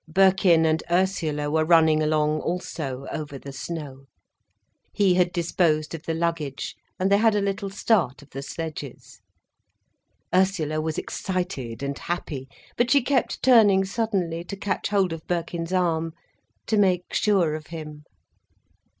Birkin and Ursula were running along also, over the snow. He had disposed of the luggage, and they had a little start of the sledges. Ursula was excited and happy, but she kept turning suddenly to catch hold of Birkin's arm, to make sure of him.